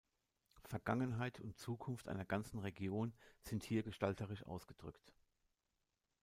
Vergangenheit und Zukunft einer ganzen Region sind hier gestalterisch ausgedrückt.